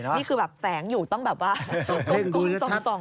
นี่คือแบบแสงอยู่ต้องแบบว่าต้องกลุ่มส่องดู